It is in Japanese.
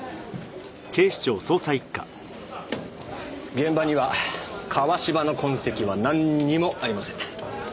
現場には川芝の痕跡はなんにもありません。